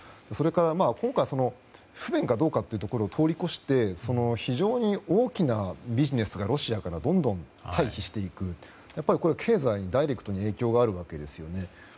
それから今回、不便かどうかというところを通り越して非常に大きなビジネスがロシアからどんどん退避していくこれは経済にダイレクトに影響があるわけですね。